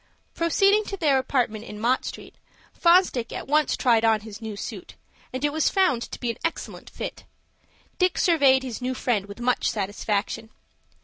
Proceeding to their apartment in Mott Street, Fosdick at once tried on his new suit, and it was found to be an excellent fit. Dick surveyed his new friend with much satisfaction.